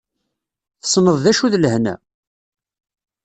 Tessneḍ d acu d lehna?